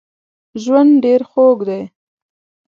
ژوند ډېر خوږ دی